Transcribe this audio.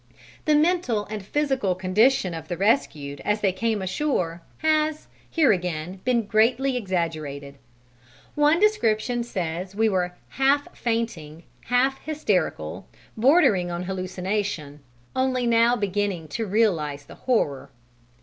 The mental and physical condition of the rescued as they came ashore has, here again, been greatly exaggerated one description says we were "half fainting, half hysterical, bordering on hallucination, only now beginning to realize the horror."